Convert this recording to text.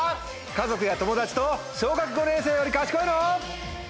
家族や友達と『小学５年生より賢いの？』。